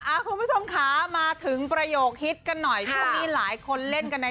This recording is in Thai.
คุณผู้ชมค่ะมาถึงประโยคฮิตกันหน่อยช่วงนี้หลายคนเล่นกันใน